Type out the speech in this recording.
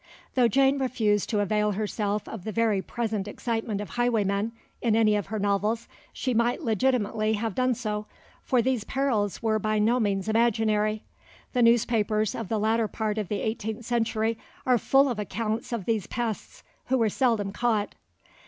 Though Jane refused to avail herself of the very present excitement of highwaymen in any of her novels, she might legitimately have done so, for these perils were by no means imaginary; the newspapers of the latter part of the eighteenth century are full of accounts of these pests, who were seldom caught.